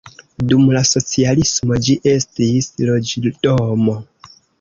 Dum la socialismo ĝi estis loĝdomo.